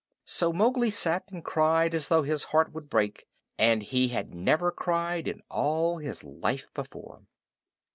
So Mowgli sat and cried as though his heart would break; and he had never cried in all his life before.